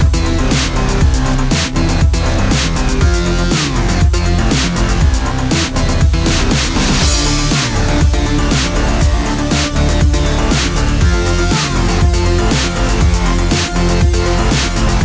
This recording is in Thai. ทีมแรกค่ะทีมโนตี้ค่ะ